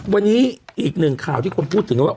วันนี้อีกหนึ่งข่าวที่คนพูดถึงกันว่า